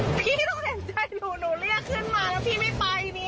หนูเรียกขึ้นมาแล้วพี่ไม่ไปเนี่ย